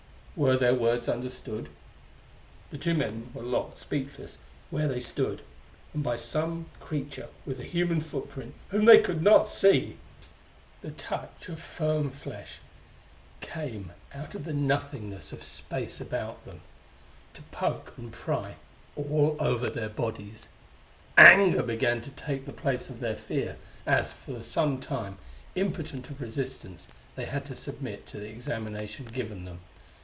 Were their words understood? The two men were locked, speechless, where they stood. And by some creature with a human footprint whom they could not see! The touch of firm flesh came out of the nothingness of space about them, to poke and pry all over their bodies. Anger began to take the place of their fear, as, for some time, impotent of resistance, they had to submit to the examination given them.